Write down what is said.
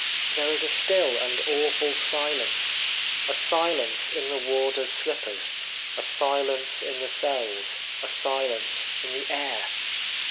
There is a still and awful silence — a silence in the warder's slippers, a silence in the cells, a silence in the air.